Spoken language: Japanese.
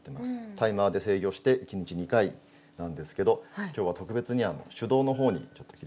タイマーで制御して１日２回なんですけど今日は特別に「手動」のほうにちょっと切り替えて下さい。